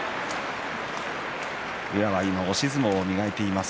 宇良は今押し相撲を磨いています。